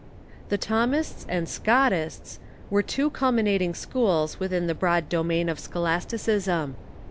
The Thomists and Scotists were two culminating schools within the broad domain of scholasticism.